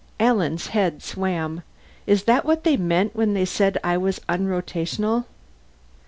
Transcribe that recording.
Alan's head swam. "Is that what they meant when they said I was unrotational?"